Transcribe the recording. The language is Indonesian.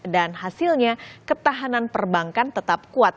dan hasilnya ketahanan perbankan tetap kuat